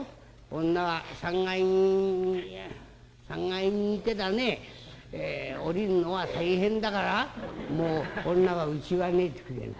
女は３階にいてだね下りるのは大変だからもう女はうちがねえってくれえだ。